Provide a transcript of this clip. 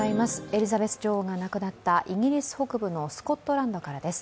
エリザベス女王が亡くなったイギリス北部のスコットランドからです。